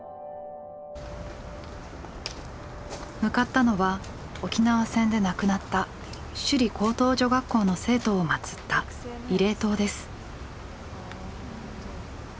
向かったのは沖縄戦で亡くなった首里高等女学校の生徒をまつった慰霊塔です。